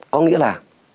có nghĩa là